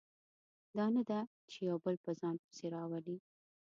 دا نه ده چې یو بل په ځان پسې راولي.